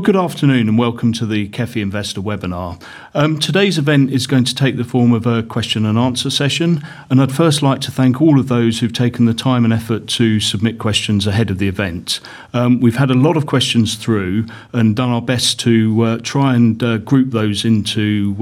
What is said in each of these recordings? Good afternoon, welcome to the KEFI Investor webinar. Today's event is going to take the form of a question and answer session. I'd first like to thank all of those who've taken the time and effort to submit questions ahead of the event. We've had a lot of questions through and done our best to try and group those into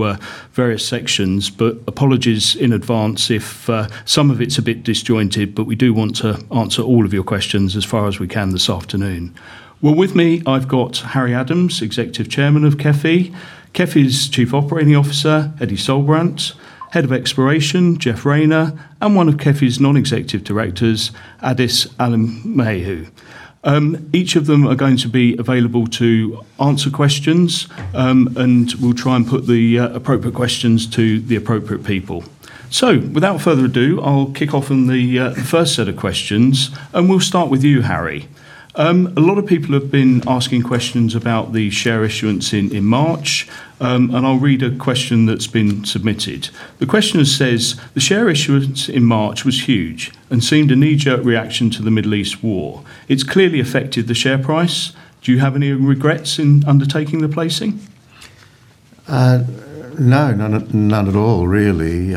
various sections. Apologies in advance if some of it's a bit disjointed, but we do want to answer all of your questions as far as we can this afternoon. With me, I've got Harry Anagnostaras-Adams, Executive Chairman of KEFI. KEFI's Chief Operating Officer, Eddy Solbrandt. Head of Exploration, Jeff Rayner. One of KEFI's Non-Executive Directors, Addis Alemayehou. Each of them are going to be available to answer questions. We'll try and put the appropriate questions to the appropriate people. Without further ado, I'll kick off on the first set of questions, we'll start with you, Harry. A lot of people have been asking questions about the share issuance in March, and I'll read a question that's been submitted. The questioner says, "The share issuance in March was huge and seemed a knee-jerk reaction to the Middle East war. It's clearly affected the share price. Do you have any regrets in undertaking the placing? No, none at all, really.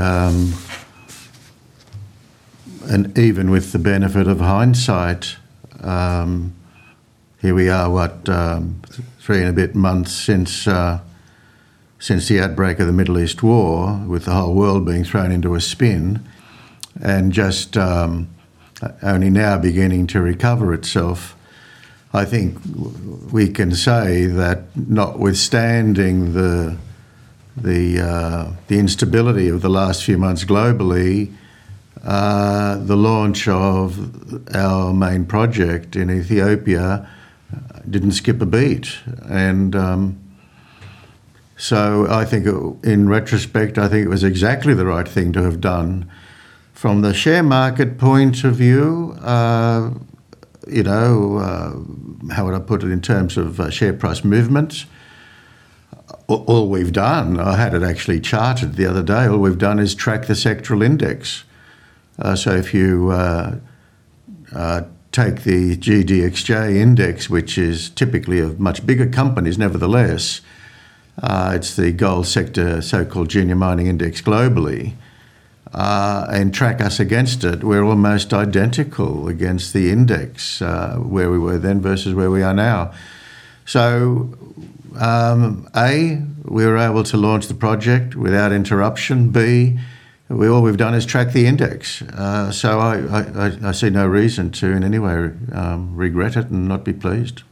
Even with the benefit of hindsight. Here we are, what? Three and a bit months since the outbreak of the Middle East war, with the whole world being thrown into a spin and just only now beginning to recover itself. I think we can say that notwithstanding the instability of the last few months globally, the launch of our main project in Ethiopia didn't skip a beat. I think in retrospect, I think it was exactly the right thing to have done. From the share market point of view, how would I put it in terms of share price movements? I had it actually charted the other day. All we've done is track the sectoral index. If you take the GDXJ index, which is typically of much bigger companies, nevertheless, it's the gold sector, so-called Junior Mining Index globally. Track us against it, we're almost identical against the index, where we were then versus where we are now. A, we were able to launch the project without interruption. B, all we've done is track the index. I see no reason to, in any way, regret it and not be pleased.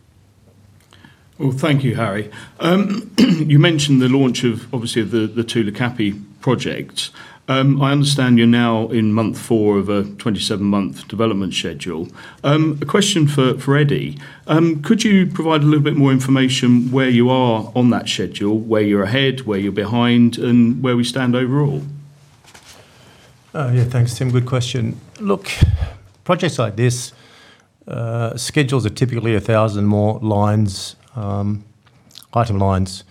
Well, thank you, Harry. You mentioned the launch of, obviously, the Tulu Kapi Project. I understand you're now in month four of a 27-month development schedule. A question for Eddy. Could you provide a little bit more information where you are on that schedule? Where you're ahead, where you're behind, and where we stand overall? Yeah, thanks, Tim. Good question. Look, projects like this, schedules are typically 1,000 more item lines.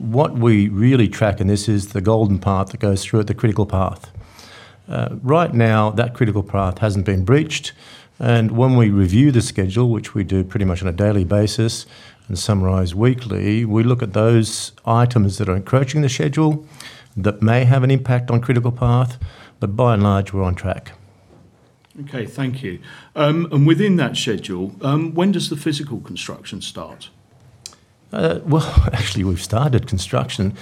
What we really track in this is the golden path that goes through it, the critical path. Right now, that critical path hasn't been breached. When we review the schedule, which we do pretty much on a daily basis and summarize weekly, we look at those items that are encroaching the schedule that may have an impact on critical path. By and large, we're on track. Okay. Thank you. Within that schedule, when does the physical construction start? Well, actually, we've started construction.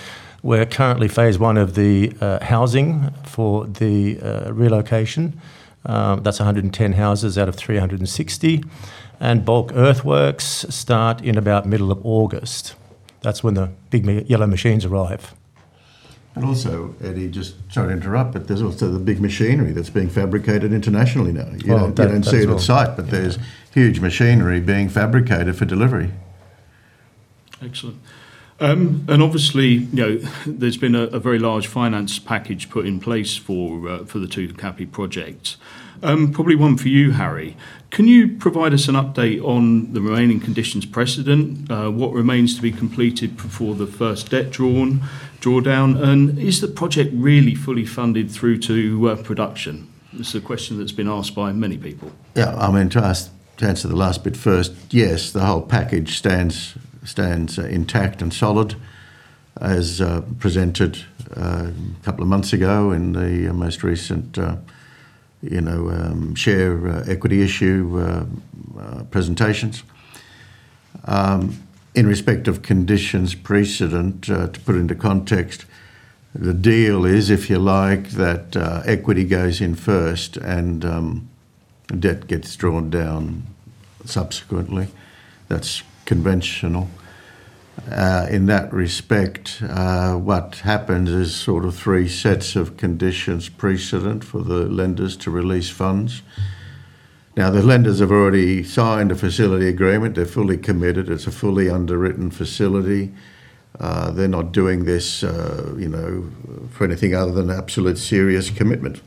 We're currently phase 1 of the housing for the relocation. That's 110 houses out of 360. Bulk earthworks start in about middle of August. That's when the big yellow machines arrive. Eddy, just sorry to interrupt, there's also the big machinery that's being fabricated internationally now. That as well. You don't see it on site, there's huge machinery being fabricated for delivery. Excellent. Obviously, there's been a very large finance package put in place for the Tulu Kapi Project. Probably one for you, Harry. Can you provide us an update on the remaining conditions precedent? What remains to be completed before the first debt drawdown? Is the project really fully funded through to production? This is a question that's been asked by many people. Yes, the whole package stands intact and solid as presented a couple of months ago in the most recent share equity issue presentations. In respect of conditions precedent, to put it into context, the deal is, if you like, that equity goes in first and debt gets drawn down subsequently. That's conventional. In that respect, what happens is sort of three sets of conditions precedent for the lenders to release funds. The lenders have already signed a facility agreement. They're fully committed. It's a fully underwritten facility. They're not doing this for anything other than absolute serious commitment.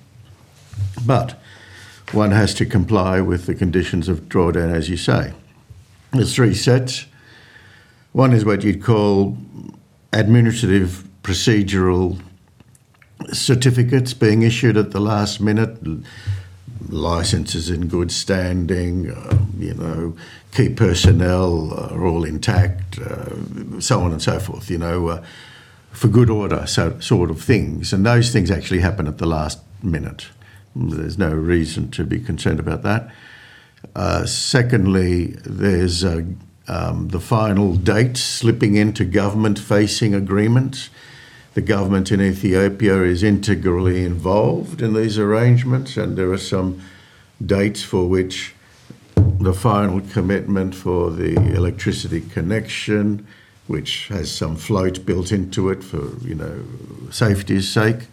One has to comply with the conditions of drawdown, as you say. There's three sets. One is what you'd call administrative procedural certificates being issued at the last minute, licenses in good standing, key personnel are all intact, so on and so forth, for good order sort of things. Those things actually happen at the last minute. There's no reason to be concerned about that. Secondly, there's the final dates slipping into government-facing agreements. The government in Ethiopia is integrally involved in these arrangements, and there are some dates for which the final commitment for the electricity connection, which has some float built into it for safety's sake.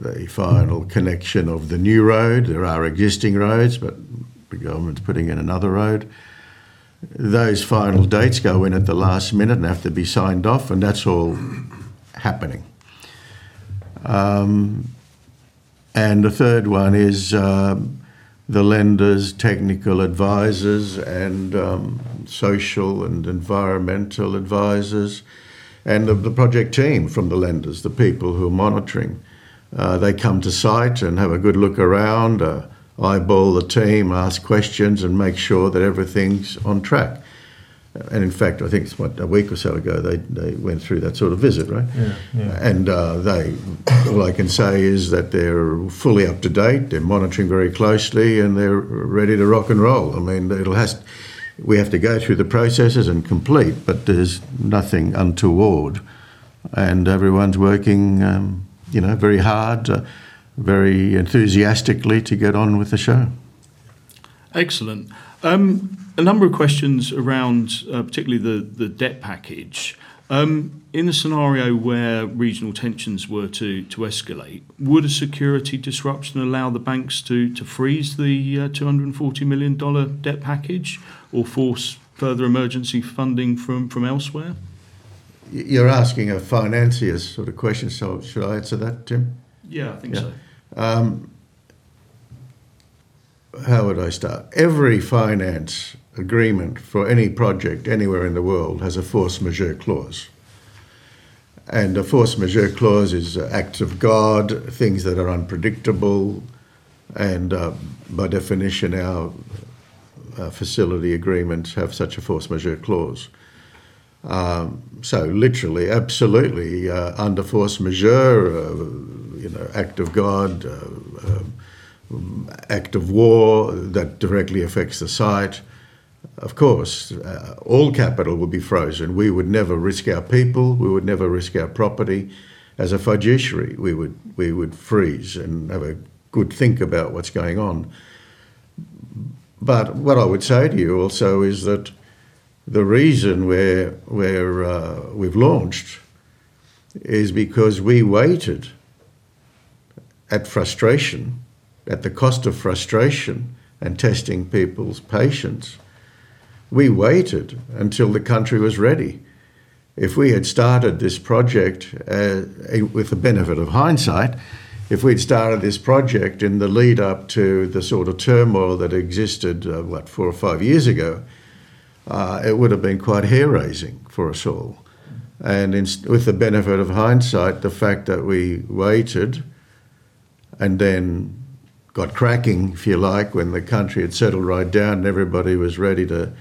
The final connection of the new road. There are existing roads, the government's putting in another road. Those final dates go in at the last minute and have to be signed off, and that's all happening. The third one is the lenders, technical advisors, and social and environmental advisors, and of the project team from the lenders, the people who are monitoring. They come to site and have a good look around, eyeball the team, ask questions, and make sure that everything's on track. In fact, I think it's, what? A week or so ago, they went through that sort of visit, right? Yeah. All I can say is that they're fully up to date, they're monitoring very closely, and they're ready to rock and roll. We have to go through the processes and complete, there's nothing untoward. Everyone's working very hard, very enthusiastically to get on with the show. Excellent. A number of questions around particularly the debt package. In a scenario where regional tensions were to escalate, would a security disruption allow the banks to freeze the $240 million debt package or force further emergency funding from elsewhere? You're asking a financier sort of question, should I answer that, Tim? Yeah, I think so. Yeah. How would I start? Every finance agreement for any project anywhere in the world has a force majeure clause. A force majeure clause is act of God, things that are unpredictable. By definition, our facility agreements have such a force majeure clause. Literally, absolutely, under force majeure, act of God, act of war that directly affects the site. Of course, all capital would be frozen. We would never risk our people. We would never risk our property. As a fiduciary, we would freeze and have a good think about what's going on. What I would say to you also is that the reason we've launched is because we waited at the cost of frustration and testing people's patience. We waited until the country was ready. With the benefit of hindsight, if we'd started this project in the lead up to the sort of turmoil that existed, what, four or five years ago, it would've been quite hair-raising for us all. With the benefit of hindsight, the fact that we waited and then got cracking, if you like, when the country had settled right down and everybody was ready to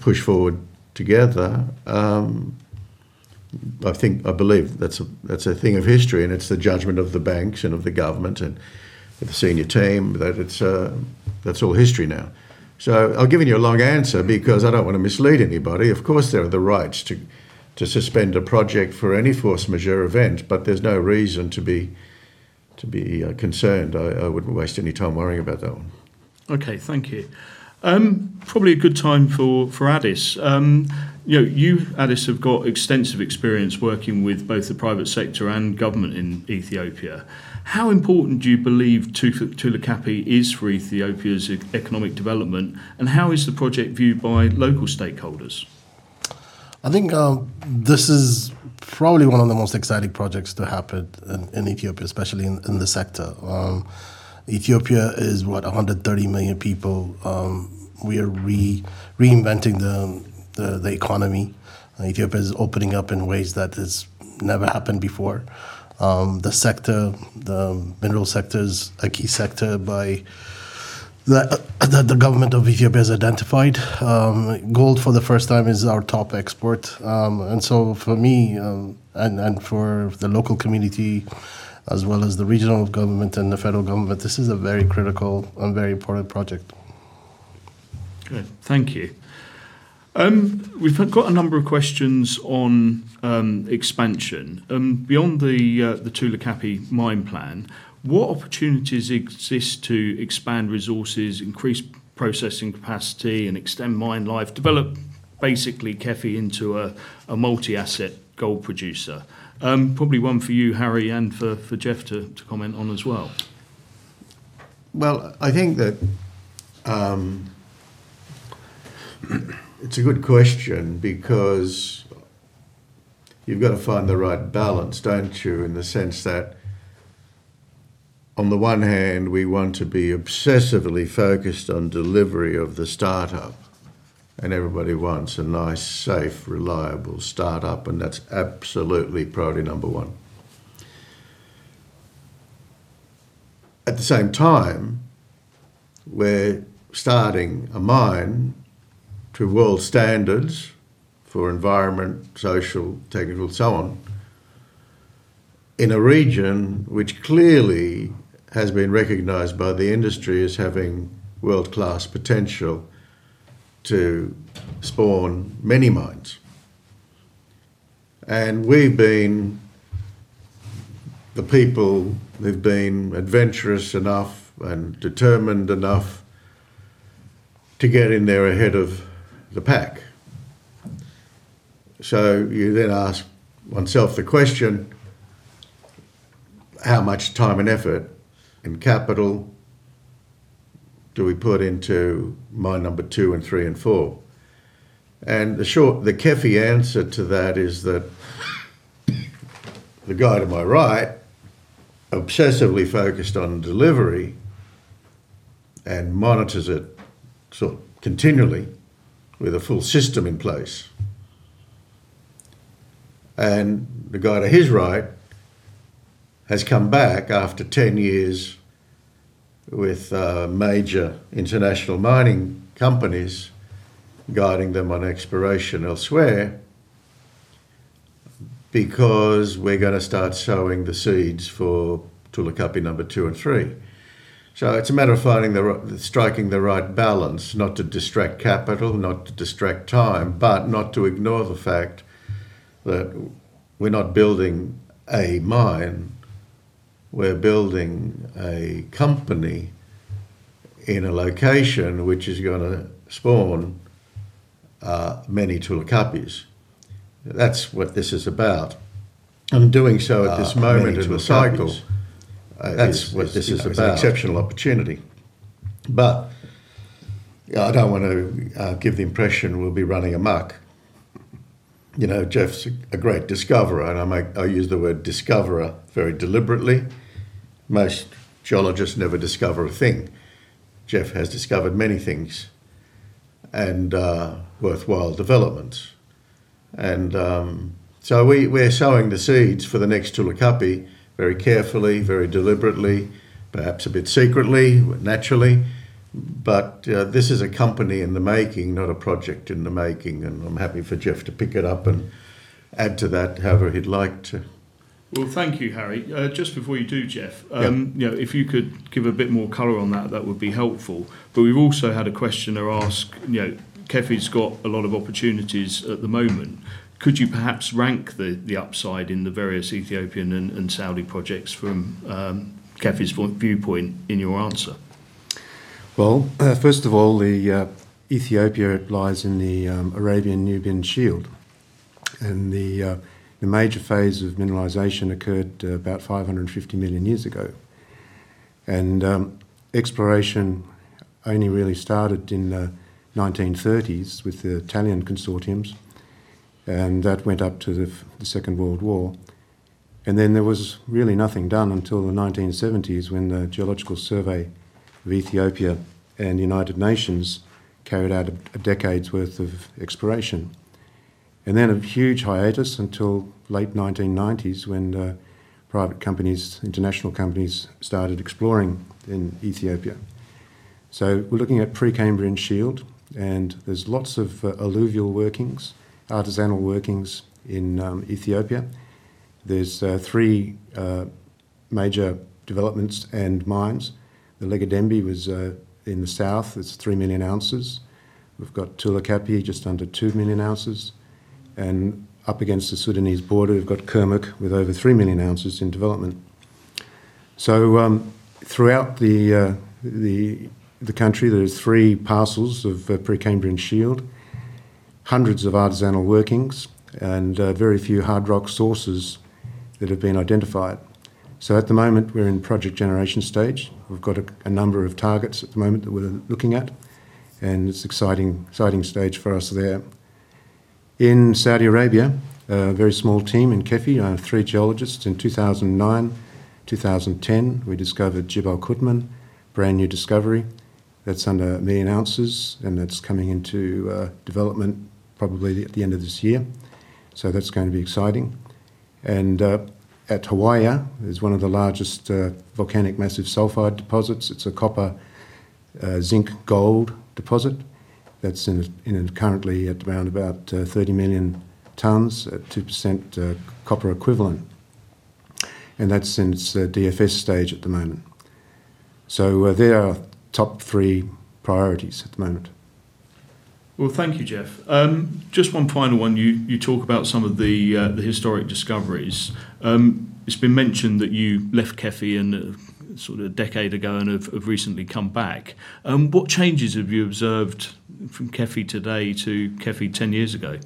push forward together, I believe that's a thing of history. It's the judgment of the banks and of the government and of the senior team that that's all history now. I've given you a long answer because I don't want to mislead anybody. Of course, there are the rights to suspend a project for any force majeure event, but there's no reason to be concerned. I wouldn't waste any time worrying about that one. Okay. Thank you. Probably a good time for Addis. You, Addis, have got extensive experience working with both the private sector and government in Ethiopia. How important do you believe Tulu Kapi is for Ethiopia's economic development, and how is the project viewed by local stakeholders? I think this is probably one of the most exciting projects to happen in Ethiopia, especially in the sector. Ethiopia is what? 130 million people. We are reinventing the economy. Ethiopia is opening up in ways that has never happened before. The mineral sector is a key sector that the government of Ethiopia has identified. Gold, for the first time, is our top export. For me, and for the local community as well as the regional government and the federal government, this is a very critical and very important project. Good. Thank you. We've got a number of questions on expansion. Beyond the Tulu Kapi mine plan, what opportunities exist to expand resources, increase processing capacity, and extend mine life, develop basically KEFI into a multi-asset gold producer? Probably one for you, Harry, and for Jeff to comment on as well. Well, I think that it's a good question because you've got to find the right balance, don't you? In the sense that on the one hand, we want to be obsessively focused on delivery of the startup, and everybody wants a nice, safe, reliable startup, and that's absolutely priority number one. At the same time, we're starting a mine to world's standards for environment, social, technical, so on, in a region which clearly has been recognized by the industry as having world-class potential to spawn many mines. We've been the people who've been adventurous enough and determined enough to get in there ahead of the pack. You then ask oneself the question, how much time and effort and capital do we put into mine number two and three and four? The short, the KEFI answer to that is that the guy to my right obsessively focused on delivery and monitors it sort of continually with a full system in place. The guy to his right has come back after 10 years with major international mining companies guiding them on exploration elsewhere because we're going to start sowing the seeds for Tulu Kapi number two and three. It's a matter of striking the right balance. Not to distract capital, not to distract time, but not to ignore the fact that we're not building a mine, we're building a company in a location which is going to spawn many Tulu Kapis. That's what this is about. Doing so at this moment in the cycle. Many Tulu Kapis. That's what this is about. Is an exceptional opportunity. I don't want to give the impression we'll be running amok. Jeff's a great discoverer, I use the word discoverer very deliberately. Most geologists never discover a thing. Jeff has discovered many things and worthwhile developments. We're sowing the seeds for the next Tulu Kapi very carefully, very deliberately, perhaps a bit secretly, naturally. This is a company in the making, not a project in the making. I'm happy for Jeff to pick it up and add to that however he'd like to. Well, thank you, Harry. Just before you do, Jeff. Yeah. If you could give a bit more color on that would be helpful. We've also had a questioner ask, KEFI's got a lot of opportunities at the moment. Could you perhaps rank the upside in the various Ethiopian and Saudi projects from KEFI's viewpoint in your answer? Well, first of all, Ethiopia lies in the Arabian-Nubian Shield. The major phase of mineralization occurred about 550 million years ago. Exploration only really started in the 1930s with the Italian consortiums, and that went up to the Second World War. Then there was really nothing done until the 1970s when the Geological Survey of Ethiopia and United Nations carried out a decade's worth of exploration. Then a huge hiatus until late 1990s when the private companies, international companies started exploring in Ethiopia. We're looking at Precambrian Shield, and there's lots of alluvial workings, artisanal workings in Ethiopia. There's three major developments and mines. The Lega Dembi was in the south. It's 3 million ounces. We've got Tulu Kapi, just under 2 million ounces. Up against the Sudanese border, we've got Kurmak with over 3 million ounces in development. Throughout the country, there are three parcels of Precambrian Shield, hundreds of artisanal workings, and very few hard rock sources that have been identified. At the moment, we're in project generation stage. We've got a number of targets at the moment that we're looking at, and it's exciting stage for us there. In Saudi Arabia, a very small team in KEFI. I have three geologists. In 2009, 2010, we discovered Jibal Qutman, brand-new discovery. That's under a million ounces, and that's coming into development probably at the end of this year. That's going to be exciting. At Hawiah, is one of the largest volcanic massive sulfide deposits. It's a copper zinc gold deposit that's in it currently at around about 30 million tons at 2% copper equivalent. That's in its DFS stage at the moment. They are top three priorities at the moment. Well, thank you, Jeff. Just one final one. You talk about some of the historic discoveries. It's been mentioned that you left KEFI sort of a decade ago and have recently come back. What changes have you observed from KEFI today to KEFI 10 years ago?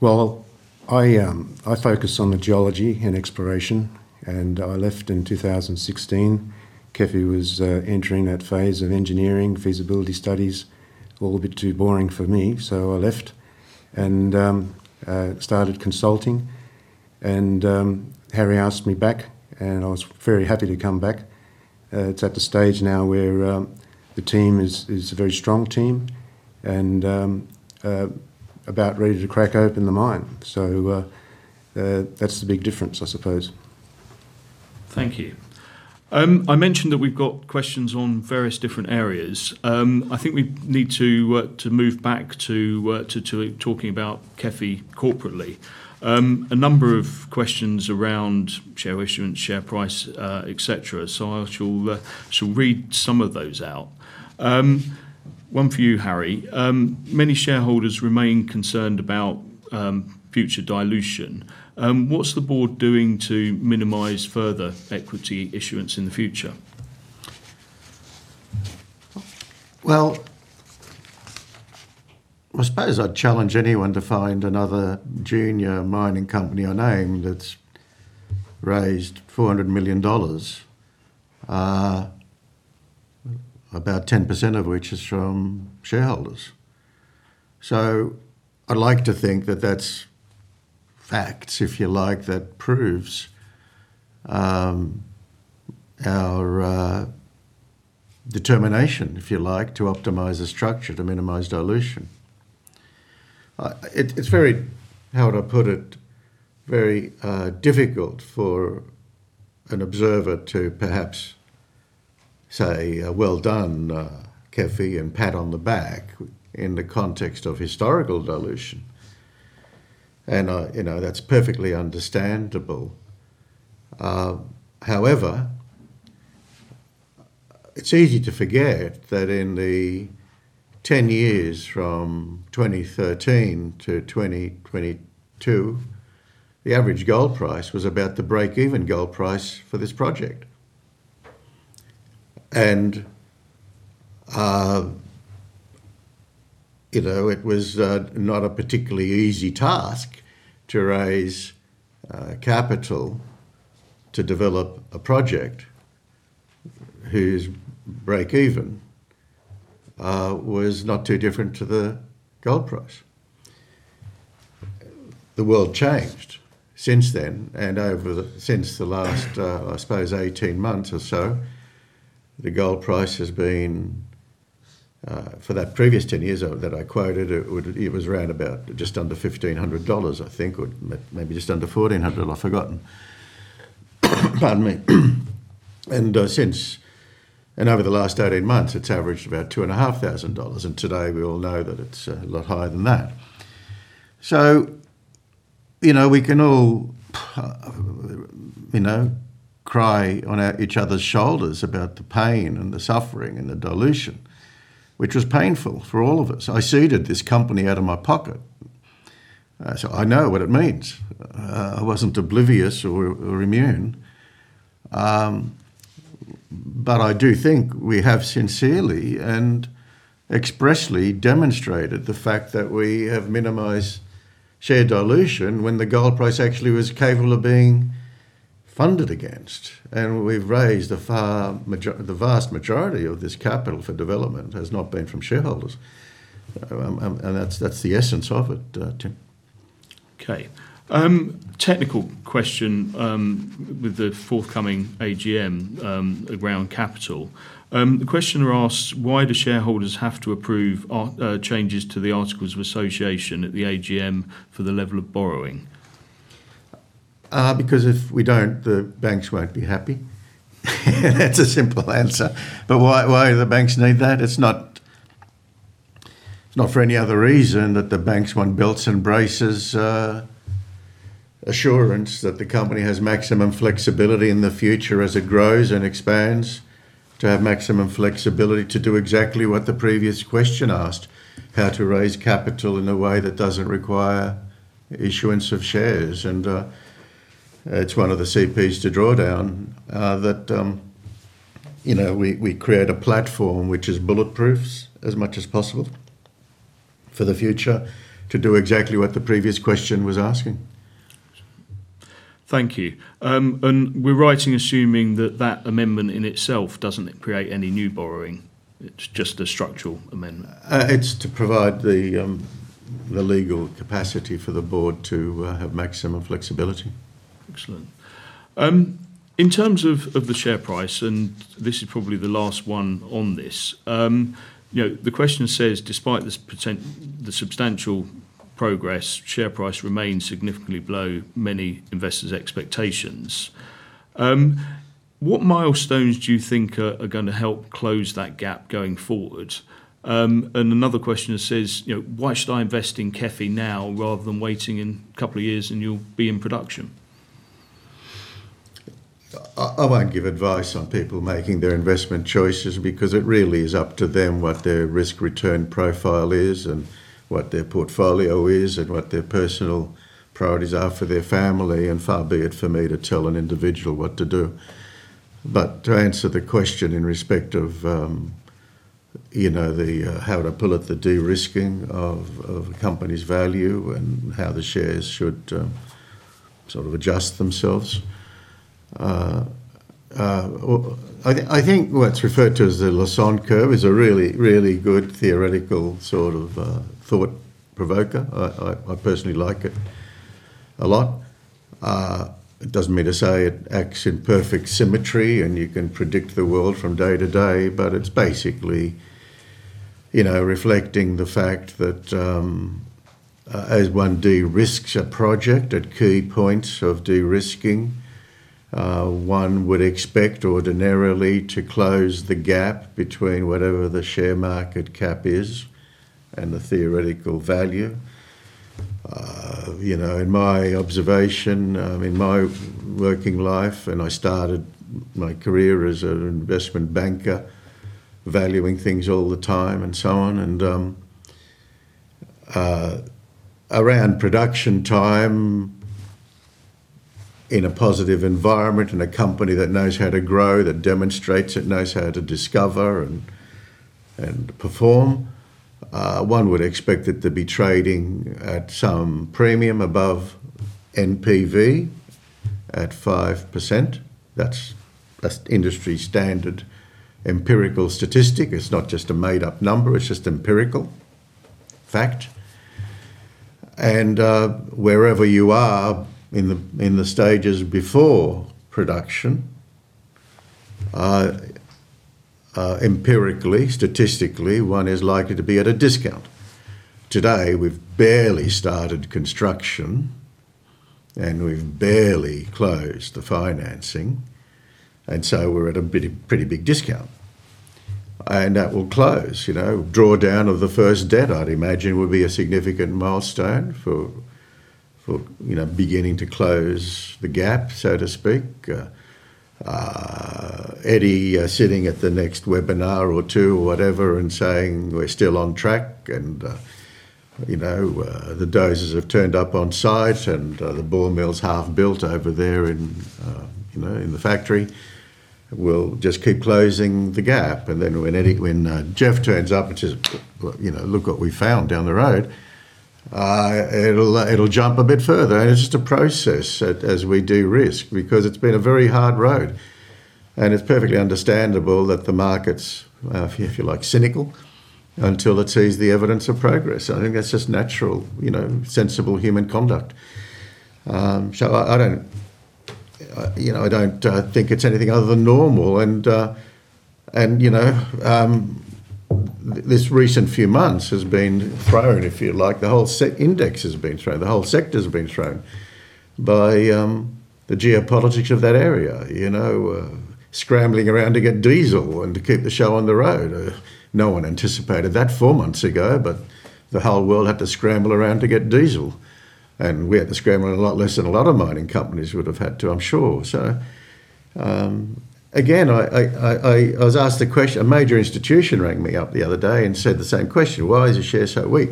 Well, I focus on the geology and exploration, and I left in 2016. KEFI was entering that phase of engineering, feasibility studies. All a bit too boring for me, so I left. Started consulting. Harry asked me back, and I was very happy to come back. It's at the stage now where the team is a very strong team and about ready to crack open the mine. That's the big difference, I suppose. Thank you. I mentioned that we've got questions on various different areas. I think we need to work to move back to talking about KEFI corporately. A number of questions around share issuance, share price, et cetera. I shall read some of those out. One for you, Harry. Many shareholders remain concerned about future dilution. What's the board doing to minimize further equity issuance in the future? Well, I suppose I'd challenge anyone to find another junior mining company or name that's raised $400 million, about 10% of which is from shareholders. I'd like to think that that's facts, if you like, that proves our determination, if you like, to optimize the structure to minimize dilution. It's very, how would I put it, very difficult for an observer to perhaps say, "Well done, KEFI," and pat on the back in the context of historical dilution. That's perfectly understandable. However, it's easy to forget that in the 10 years from 2013-2022, the average gold price was about the breakeven gold price for this project. It was not a particularly easy task to raise capital to develop a project whose breakeven was not too different to the gold price. The world changed since then, and since the last, I suppose, 18 months or so, the gold price has been, for that previous 10 years that I quoted, it was around about just under $1,500 I think, or maybe just under $1,400. I've forgotten. Pardon me. Over the last 18 months, it's averaged about $2,500. Today, we all know that it's a lot higher than that. We can all cry on each other's shoulders about the pain and the suffering and the dilution, which was painful for all of us. I seeded this company out of my pocket. I know what it means. I wasn't oblivious or immune. I do think we have sincerely and expressly demonstrated the fact that we have minimized share dilution when the gold price actually was capable of being funded against. We've raised, the vast majority of this capital for development has not been from shareholders. That's the essence of it, Tim. Okay. Technical question with the forthcoming AGM around capital. The questioner asks, "Why do shareholders have to approve changes to the articles of association at the AGM for the level of borrowing? If we don't, the banks won't be happy. That's a simple answer. Why the banks need that? It's not for any other reason that the banks want belts and braces assurance that the company has maximum flexibility in the future as it grows and expands. To have maximum flexibility to do exactly what the previous question asked, how to raise capital in a way that doesn't require issuance of shares. It's one of the CPs to draw down, that we create a platform which is bulletproof as much as possible for the future to do exactly what the previous question was asking. Thank you. We're writing assuming that that amendment in itself doesn't create any new borrowing. It's just a structural amendment. It's to provide the legal capacity for the board to have maximum flexibility. Excellent. In terms of the share price, this is probably the last one on this. The question says, "Despite the substantial progress, share price remains significantly below many investors' expectations. What milestones do you think are going to help close that gap going forward?" Another questioner says, "Why should I invest in KEFI now rather than waiting a couple of years and you'll be in production? I won't give advice on people making their investment choices, because it really is up to them what their risk-return profile is, and what their portfolio is, and what their personal priorities are for their family. Far be it for me to tell an individual what to do. To answer the question in respect of how to pull at the de-risking of a company's value and how the shares should sort of adjust themselves I think what's referred to as the Lassonde Curve is a really good theoretical thought provoker. I personally like it a lot. It doesn't mean to say it acts in perfect symmetry and you can predict the world from day to day, it's basically reflecting the fact that as one de-risks a project at key points of de-risking, one would expect ordinarily to close the gap between whatever the share market cap is and the theoretical value. In my observation, in my working life, and I started my career as an investment banker, valuing things all the time and so on. Around production time, in a positive environment, in a company that knows how to grow, that demonstrates it knows how to discover and perform, one would expect it to be trading at some premium above NPV at 5%. That's industry standard empirical statistic. It's not just a made-up number, it's just empirical fact. Wherever you are in the stages before production, empirically, statistically, one is likely to be at a discount. Today, we've barely started construction, we've barely closed the financing, we're at a pretty big discount. That will close. Drawdown of the first debt, I'd imagine, would be a significant milestone for beginning to close the gap, so to speak. Eddy sitting at the next webinar or two or whatever and saying, "We're still on track," the dozers have turned up on site and the ball mill's half-built over there in the factory. We'll just keep closing the gap. Then when Jeff turns up and says, "Look what we found down the road," it'll jump a bit further. It's just a process as we de-risk because it's been a very hard road. It's perfectly understandable that the market's, if you like, cynical until it sees the evidence of progress. I think that's just natural, sensible human conduct. I don't think it's anything other than normal. This recent few months has been thrown, if you like, the whole index has been thrown, the whole sector's been thrown by the geopolitics of that area. Scrambling around to get diesel and to keep the show on the road. No one anticipated that four months ago, but the whole world had to scramble around to get diesel. We had to scramble a lot less than a lot of mining companies would have had to, I'm sure. Again, I was asked a question. A major institution rang me up the other day and said the same question, "Why is your share so weak?"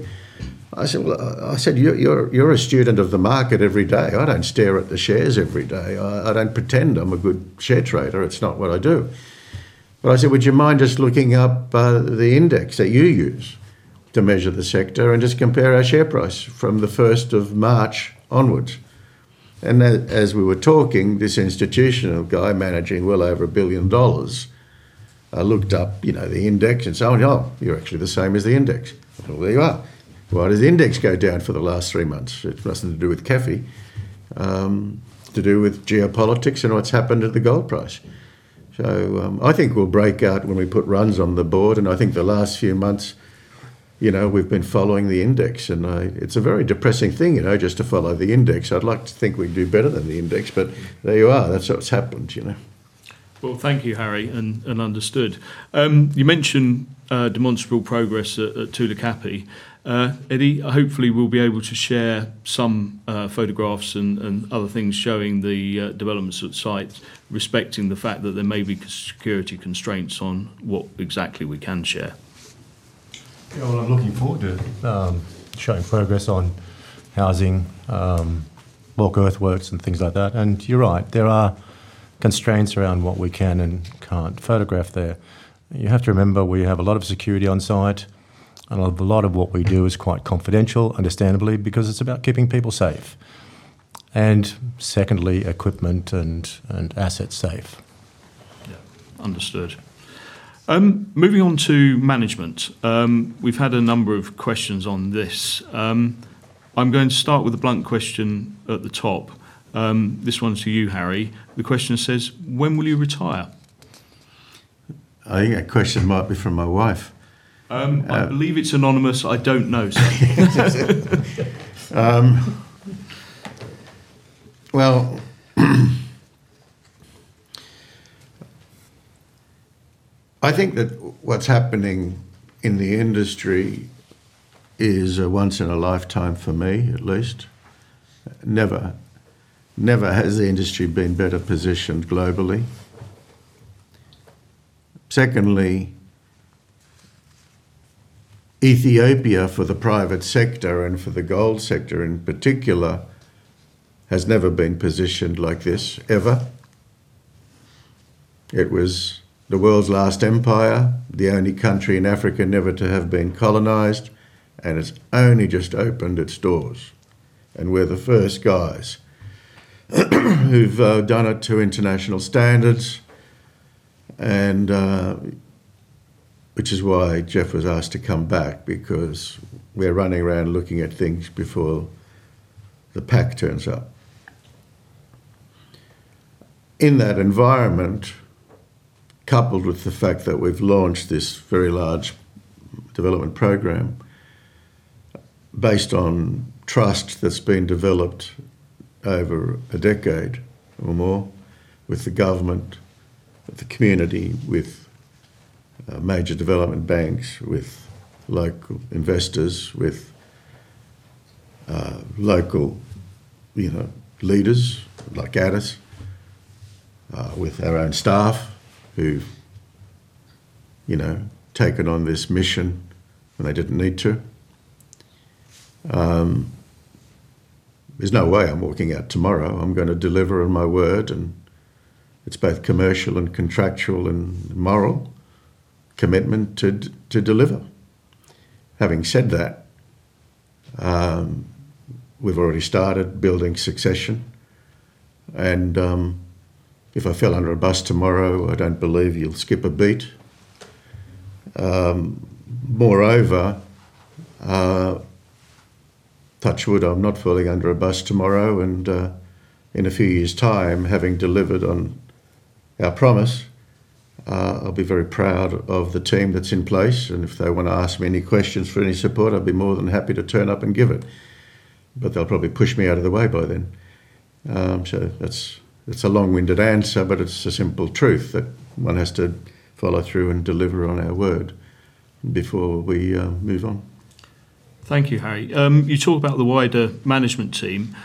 I said, "You're a student of the market every day. I don't stare at the shares every day. I don't pretend I'm a good share trader. It's not what I do." I said, "Would you mind just looking up the index that you use to measure the sector and just compare our share price from the 1st of March onwards?" As we were talking, this institutional guy managing well over a billion dollars looked up the index and saw, oh, you're actually the same as the index. Well, there you are. Why does the index go down for the last three months? It's nothing to do with KEFI. It's to do with geopolitics and what's happened at the gold price. I think we'll break out when we put runs on the board, and I think the last few months, we've been following the index. It's a very depressing thing just to follow the index. I'd like to think we'd do better than the index, but there you are. That's what's happened. Well, thank you, Harry. Understood. You mentioned demonstrable progress at Tulu Kapi. Eddy, hopefully, we'll be able to share some photographs and other things showing the developments at site, respecting the fact that there may be security constraints on what exactly we can share. Well, I'm looking forward to showing progress on housing, bulk earthworks and things like that. You're right. There are constraints around what we can and can't photograph there. You have to remember, we have a lot of security on site, and a lot of what we do is quite confidential, understandably, because it's about keeping people safe. Secondly, equipment and assets safe. Understood. Moving on to management. We've had a number of questions on this. I'm going to start with a blunt question at the top. This one's for you, Harry. The question says, "When will you retire? I think that question might be from my wife. I believe it's anonymous. I don't know. I think that what's happening in the industry is a once in a lifetime, for me at least. Never has the industry been better positioned globally. Secondly, Ethiopia, for the private sector and for the gold sector in particular, has never been positioned like this, ever. It was the world's last empire, the only country in Africa never to have been colonized, and it's only just opened its doors. We're the first guys who've done it to international standards, which is why Jeff was asked to come back, because we're running around looking at things before the pack turns up. In that environment, coupled with the fact that we've launched this very large development program based on trust that's been developed over a decade or more with the government, with the community, with major development banks, with local investors, with local leaders like Addis, with our own staff who've taken on this mission when they didn't need to. There's no way I'm walking out tomorrow. I'm going to deliver on my word, and it's both commercial and contractual and moral commitment to deliver. Having said that, we've already started building succession, and if I fell under a bus tomorrow, I don't believe you'll skip a beat. Moreover, touch wood, I'm not falling under a bus tomorrow, and in a few years' time, having delivered on our promise, I'll be very proud of the team that's in place, and if they want to ask me any questions for any support, I'd be more than happy to turn up and give it. They'll probably push me out of the way by then. That's a long-winded answer, but it's the simple truth that one has to follow through and deliver on our word before we move on. Thank you, Harry. You talk about the wider management team.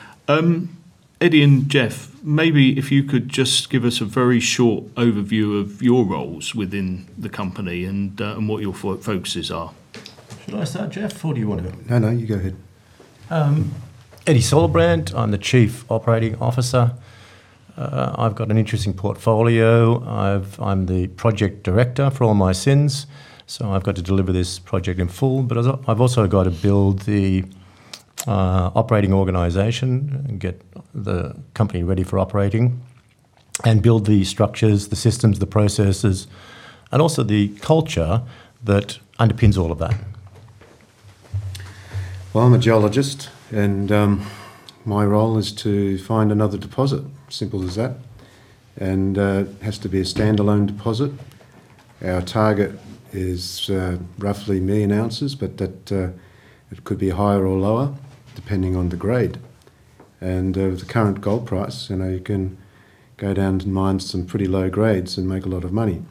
Eddy and Jeff, maybe if you could just give us a very short overview of your roles within the company and what your focuses are. Should I start, Jeff, or do you want to? No, no, you go ahead. Eddy Solbrandt. I'm the Chief Operating Officer. I've got an interesting portfolio. I'm the project director for all my sins, I've got to deliver this project in full, I've also got to build the operating organization and get the company ready for operating and build the structures, the systems, the processes, and also the culture that underpins all of that. I'm a geologist, my role is to find another deposit. Simple as that. It has to be a standalone deposit. Our target is roughly a million ounces, but it could be higher or lower depending on the grade. With the current gold price, you can go down and mine some pretty low grades and make a lot of money.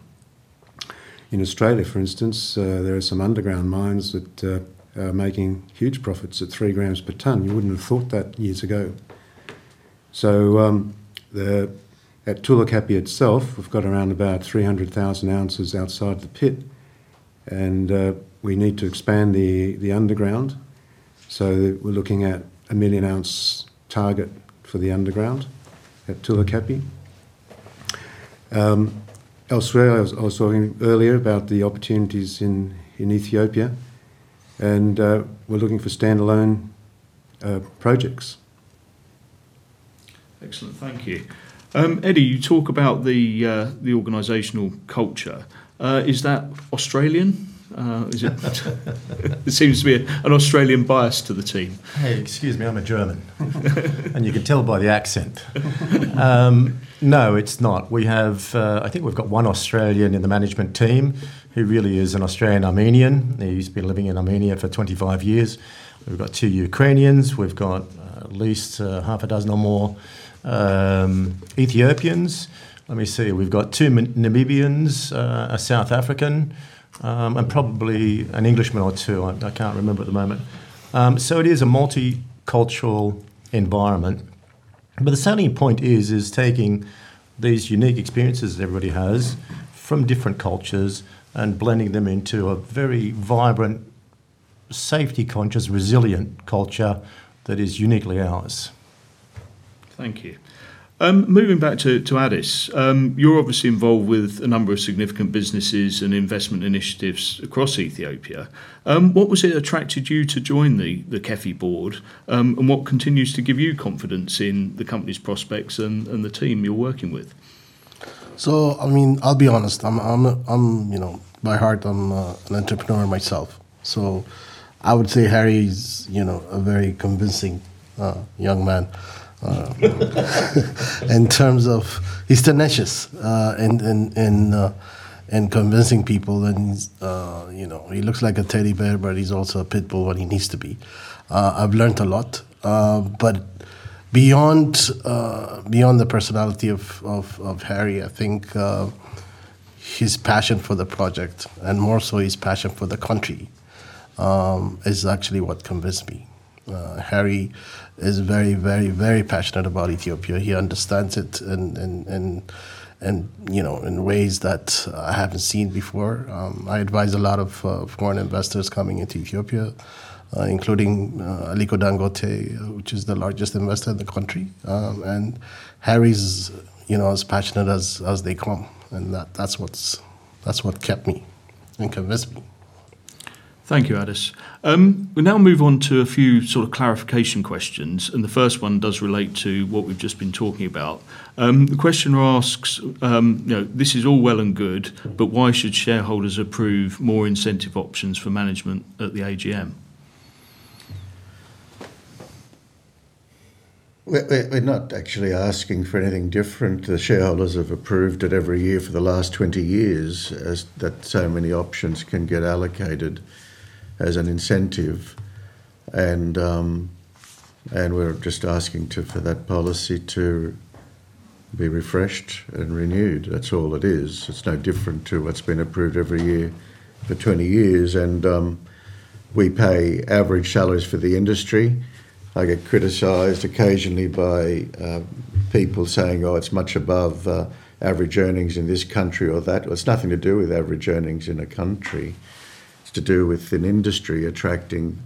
In Australia, for instance, there are some underground mines that are making huge profits at three grams per ton. You wouldn't have thought that years ago. At Tulu Kapi itself, we've got around about 300,000 ounces outside the pit, we need to expand the underground. We're looking at a million-ounce target for the underground at Tulu Kapi. Elsewhere, I was talking earlier about the opportunities in Ethiopia, we're looking for standalone projects. Excellent. Thank you. Eddy, you talk about the organizational culture. Is that Australian? There seems to be an Australian bias to the team. Hey, excuse me, I'm a German. You can tell by the accent. No, it's not. I think we've got one Australian in the management team, who really is an Australian Armenian. He's been living in Armenia for 25 years. We've got two Ukrainians. We've got at least half a dozen or more Ethiopians. Let me see. We've got two Namibians, a South African, probably an Englishman or two. I can't remember at the moment. It is a multicultural environment. The selling point is taking these unique experiences that everybody has from different cultures and blending them into a very vibrant, safety-conscious, resilient culture that is uniquely ours. Thank you. Moving back to Addis. You're obviously involved with a number of significant businesses and investment initiatives across Ethiopia. What was it attracted you to join the KEFI board? What continues to give you confidence in the company's prospects and the team you're working with? I'll be honest, by heart I'm an entrepreneur myself, I would say Harry's a very convincing young man. In terms of he's tenacious in convincing people, and he looks like a teddy bear, but he's also a pit bull when he needs to be. I've learned a lot. Beyond the personality of Harry, I think his passion for the project and more so his passion for the country is actually what convinced me. Harry is very passionate about Ethiopia. He understands it in ways that I haven't seen before. I advise a lot of foreign investors coming into Ethiopia, including Aliko Dangote, which is the largest investor in the country. Harry's as passionate as they come, and that's what kept me and convinced me. Thank you, Addis. We'll now move on to a few sort of clarification questions, and the first one does relate to what we've just been talking about. The questioner asks, "This is all well and good, but why should shareholders approve more incentive options for management at the AGM? We're not actually asking for anything different. The shareholders have approved it every year for the last 20 years, as that so many options can get allocated as an incentive. We're just asking for that policy to be refreshed and renewed. That's all it is. It's no different to what's been approved every year for 20 years. We pay average salaries for the industry. I get criticized occasionally by people saying, "Oh, it's much above average earnings in this country or that." Well, it's nothing to do with average earnings in a country. It's to do with an industry attracting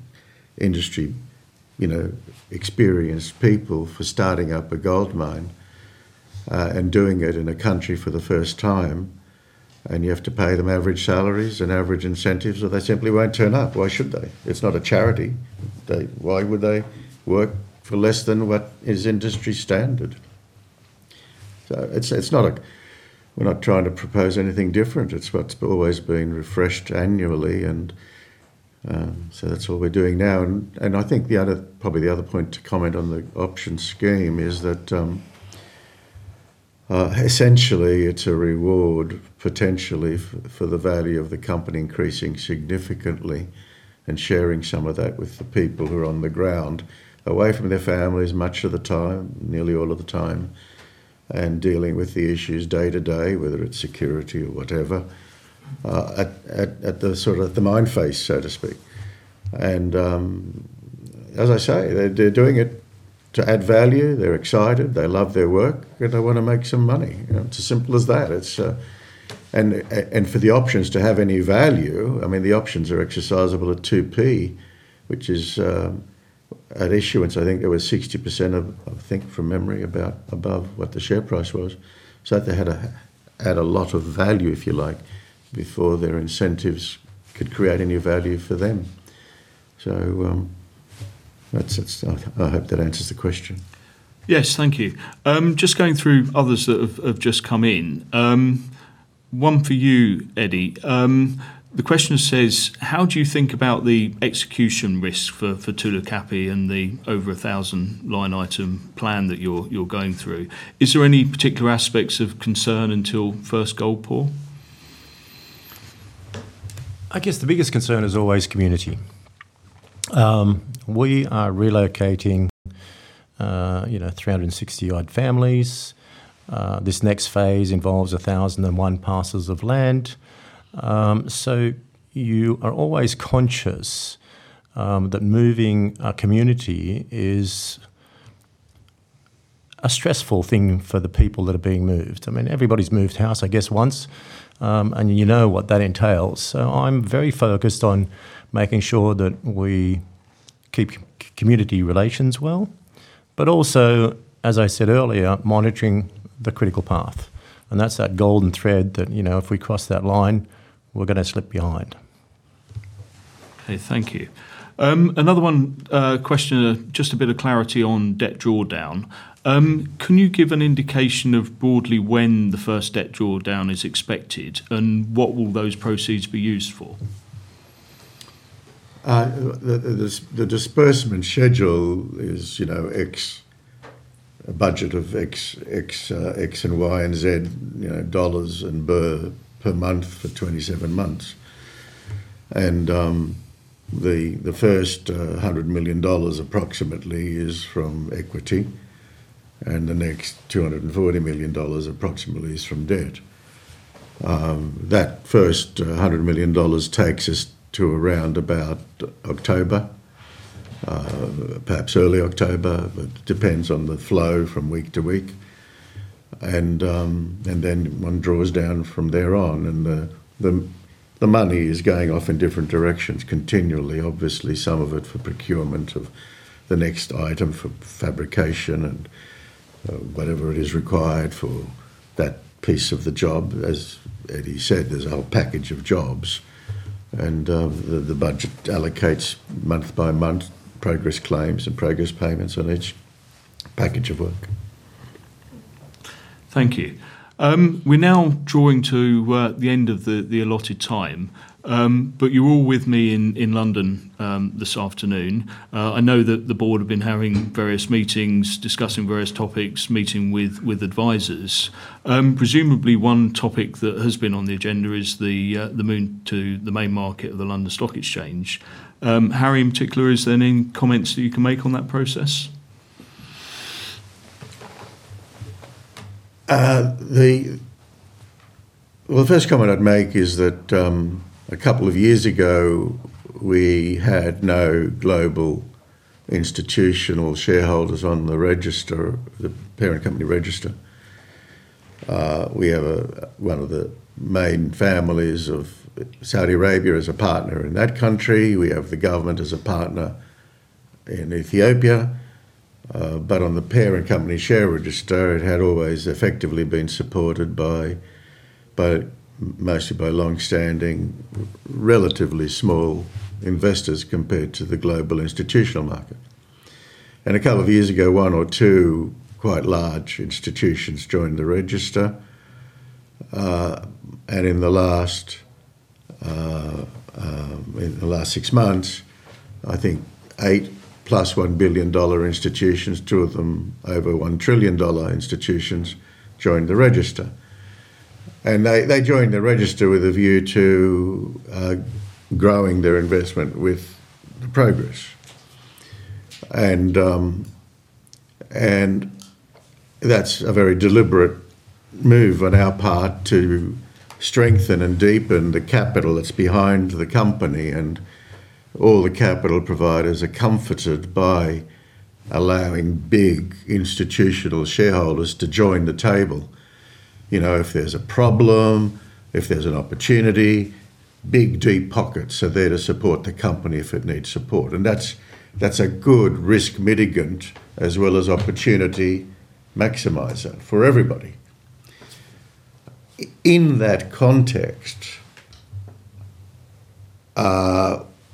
industry-experienced people for starting up a gold mine and doing it in a country for the first time. You have to pay them average salaries and average incentives, or they simply won't turn up. Why should they? It's not a charity. Why would they work for less than what is industry standard? We're not trying to propose anything different. It's what's always been refreshed annually, that's what we're doing now. I think probably the other point to comment on the option scheme is that, essentially, it's a reward, potentially, for the value of the company increasing significantly and sharing some of that with the people who are on the ground, away from their families much of the time, nearly all of the time, and dealing with the issues day-to-day, whether it's security or whatever, at the mine face, so to speak. As I say, they're doing it to add value. They're excited. They love their work, and they want to make some money. It's as simple as that. For the options to have any value, I mean, the options are exercisable at 0.02, which is at issuance, I think there was 60%, I think, from memory, above what the share price was. They had to add a lot of value, if you like, before their incentives could create any value for them. I hope that answers the question. Yes. Thank you. Just going through others that have just come in. One for you, Eddy. The question says, "How do you think about the execution risk for Tulu Kapi and the over-1,000-line item plan that you're going through? Is there any particular aspects of concern until first gold pour? I guess the biggest concern is always community. We are relocating 360-odd families. This next phase involves 1,001 parcels of land. You are always conscious that moving a community is a stressful thing for the people that are being moved. I mean, everybody's moved house, I guess, once. You know what that entails. I'm very focused on making sure that we keep community relations well, but also, as I said earlier, monitoring the critical path. That's that golden thread that if we cross that line, we're going to slip behind. Okay. Thank you. Another one, a question of just a bit of clarity on debt drawdown. Can you give an indication of broadly when the first debt drawdown is expected, and what will those proceeds be used for? The disbursement schedule is a budget of X and Y and Z dollars and birr per month for 27 months. The first $100 million, approximately, is from equity, and the next $240 million, approximately, is from debt. That first $100 million takes us to around about October, perhaps early October. It depends on the flow from week-to-week. Then one draws down from thereon. The money is going off in different directions continually. Obviously, some of it for procurement of the next item for fabrication and whatever it is required for that piece of the job. As Eddy said, there's a whole package of jobs. The budget allocates month-by-month progress claims and progress payments on each package of work. Thank you. We're now drawing to the end of the allotted time. You're all with me in London this afternoon. I know that the board have been having various meetings, discussing various topics, meeting with advisors. Presumably, one topic that has been on the agenda is the move to the main market of the London Stock Exchange. Harry, in particular, is there any comments that you can make on that process? Well, the first comment I'd make is that a couple of years ago, we had no global institutional shareholders on the parent company register. We have one of the main families of Saudi Arabia as a partner in that country. We have the government as a partner in Ethiopia. On the parent company share register, it had always effectively been supported mostly by longstanding, relatively small investors compared to the global institutional market. A couple of years ago, one or two quite large institutions joined the register. In the last six months, I think 8+$1 billion institutions, two of them over $1 trillion institutions, joined the register. They joined the register with a view to growing their investment with progress. That's a very deliberate move on our part to strengthen and deepen the capital that's behind the company. All the capital providers are comforted by allowing big institutional shareholders to join the table. If there's a problem, if there's an opportunity, big deep pockets are there to support the company if it needs support. That's a good risk mitigant as well as opportunity maximizer for everybody. In that context,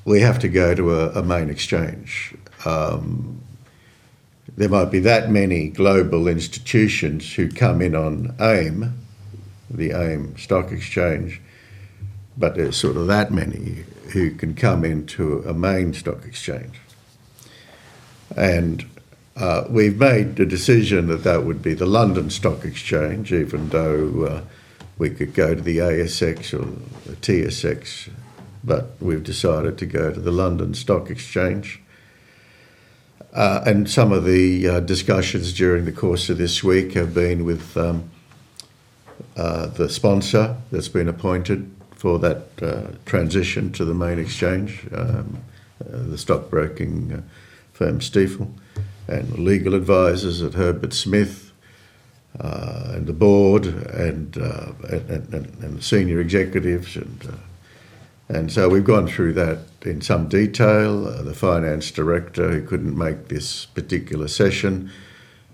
we have to go to a main exchange. There might be that many global institutions who'd come in on AIM, the AIM Stock Exchange, but there's sort of that many who can come into a main stock exchange. We've made the decision that that would be the London Stock Exchange, even though we could go to the ASX or the TSX. We've decided to go to the London Stock Exchange. Some of the discussions during the course of this week have been with the sponsor that's been appointed for that transition to the main exchange, the stockbroking firm Stifel, and the legal advisors at Herbert Smith, and the board and the senior executives. We've gone through that in some detail. The finance director who couldn't make this particular session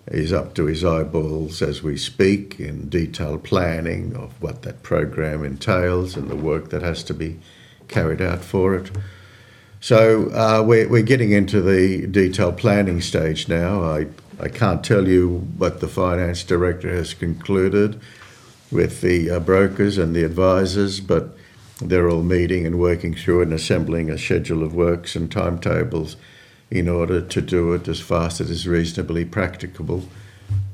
is up to his eyeballs as we speak in detailed planning of what that program entails and the work that has to be carried out for it. We're getting into the detailed planning stage now. I can't tell you what the finance director has concluded with the brokers and the advisors, but they're all meeting and working through and assembling a schedule of works and timetables in order to do it as fast as is reasonably practicable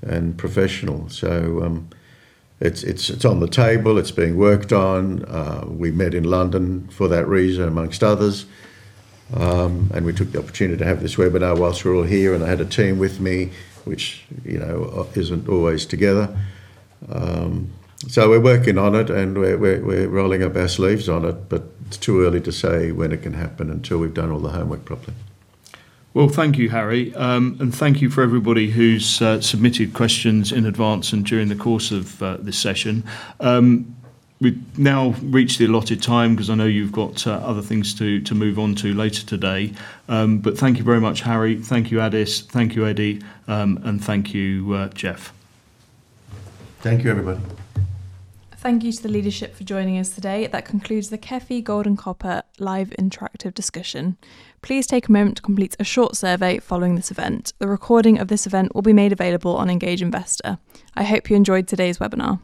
and professional. It's on the table. It's being worked on. We met in London for that reason, amongst others. We took the opportunity to have this webinar whilst we're all here, and I had a team with me which isn't always together. We're working on it and we're rolling up our sleeves on it, but it's too early to say when it can happen until we've done all the homework properly. Well, thank you, Harry. Thank you for everybody who's submitted questions in advance and during the course of this session. We've now reached the allotted time because I know you've got other things to move on to later today. Thank you very much, Harry. Thank you, Addis. Thank you, Eddy. Thank you, Jeff. Thank you, everybody. Thank you to the leadership for joining us today. That concludes the KEFI Gold and Copper live interactive discussion. Please take a moment to complete a short survey following this event. The recording of this event will be made available on Engage Investor. I hope you enjoyed today's webinar.